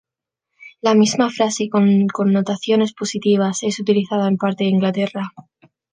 La misma frase con connotaciones positivas es utilizada en parte de Inglaterra.